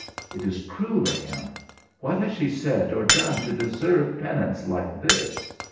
It is cruel of him! What has she said or done to deserve penance like this?